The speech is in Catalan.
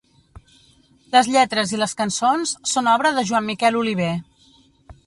Les lletres i les cançons són obra de Joan Miquel Oliver.